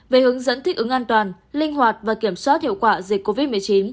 về hướng dẫn thích ứng an toàn linh hoạt và kiểm soát hiệu quả dịch covid một mươi chín